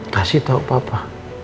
kasih tau papa